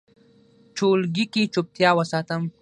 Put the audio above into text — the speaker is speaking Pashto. ټولګي کې چوپتیا وساتم.